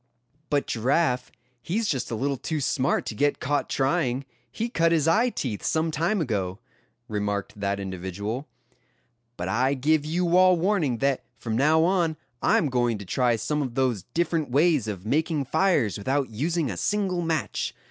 "But Giraffe, he's just a little too smart to get caught trying; he cut his eye teeth some time ago;" remarked that individual. "But I give you all warning that from now on I am going to try some of those different ways of making fires without using a single match.